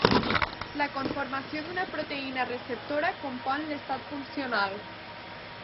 La conformació d'una proteïna receptora compon l'estat funcional.